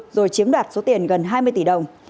rồi chiếm đoạt số tiền gần hai mươi tỷ đồng